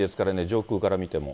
上空から見ても。